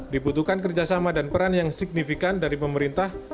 dibutuhkan kerjasama dan peran yang signifikan dari pemerintah